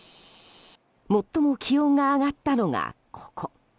最も気温が上がったのが、ここ。